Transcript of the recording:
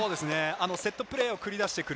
セットプレーを繰り出してくる。